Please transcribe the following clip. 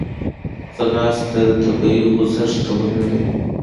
ځغاسته د طبیعي خوځښت تمرین دی